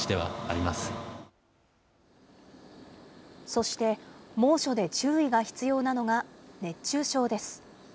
そして猛暑で注意が必要なのが熱中症です。